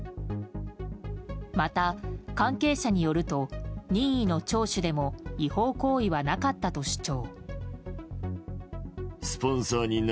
また関係者によると任意の聴取でも違法行為はなかったと主張。